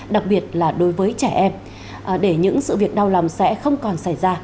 đặc biệt là đối với trẻ em để những sự việc đau lòng sẽ không còn xảy ra